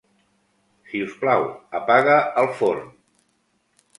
Si us plau, apaga el forn.